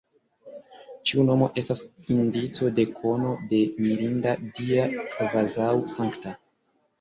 Ĉiu nomo estas indico de kono, de mirinda, dia, kvazaŭ sankta.